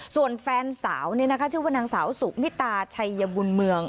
ส่วนแฟนสาวนี่นะคะชื่อว่านางสาวสุขมิตาชายยบุญเมือง